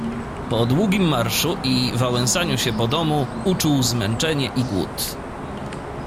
"Po długim marszu i wałęsaniu się po domu uczuł zmęczenie i głód."